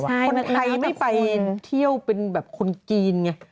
คนไทยไม่ไปเที่ยวเป็นแบบคนจีนไง